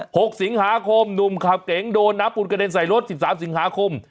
หกสิงหาคมหนุ่มขับเก๋งโดนน้ำปูนกระเด็นใส่รถสิบสามสิงหาคม